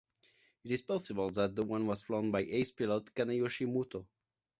It is possible that the one was flown by ace-pilot Kaneyoshi Muto.